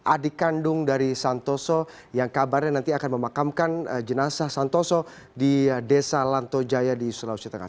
adik kandung dari santoso yang kabarnya nanti akan memakamkan jenazah santoso di desa lantojaya di sulawesi tengah